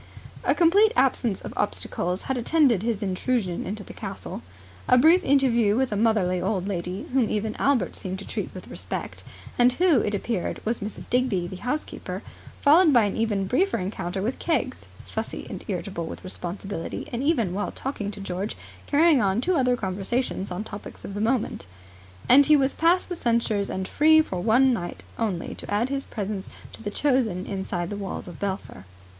A complete absence of obstacles had attended his intrusion into the castle. A brief interview with a motherly old lady, whom even Albert seemed to treat with respect, and who, it appeared was Mrs. Digby, the house keeper; followed by an even briefer encounter with Keggs (fussy and irritable with responsibility, and, even while talking to George carrying on two other conversations on topics of the moment), and he was past the censors and free for one night only to add his presence to the chosen inside the walls of Belpher.